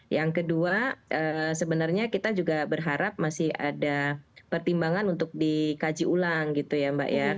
yang kedua sebenarnya kita juga berharap masih ada pertimbangan untuk dikaji ulang gitu ya mbak ya